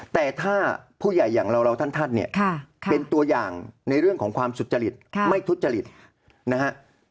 แต่ถ้าผู้ใหญ่อย่างเราท่านเนี่ยเป็นตัวอย่างในเรื่องของความสุจริตไม่ทุจริตนะฮะ